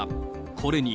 これに。